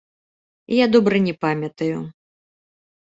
Я добра не памятаю.